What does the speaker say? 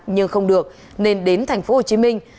nhưng không được nên đến thành phố hồ chí minh